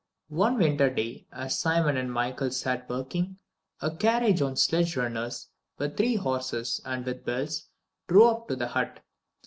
One winter day, as Simon and Michael sat working, a carriage on sledge runners, with three horses and with bells, drove up to the hut.